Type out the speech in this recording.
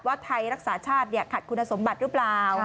ไทยรักษาชาติขัดคุณสมบัติหรือเปล่า